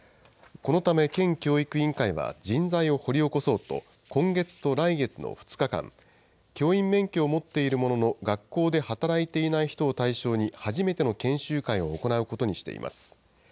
このため、県教育委員会は人材を掘り起こそうと、今月と来月の２日間、教員免許を持っているものの、学校で働いていない人を対象に初めての研修会を行うことにしています。